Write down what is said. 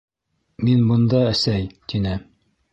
— Мин бында, әсәй, — тине.